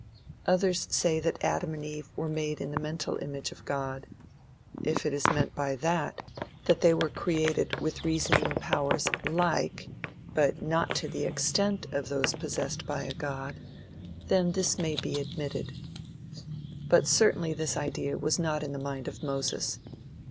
Others say that Adam and Eve were made in the mental image of God. If it is meant by that, that they were created with reasoning powers like, but not to the extent of those possessed by a god, then this may be admitted. But certainly this idea was not in the mind of Moses.